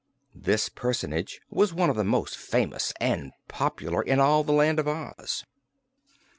This personage was one of the most famous and popular in all the Land of Oz.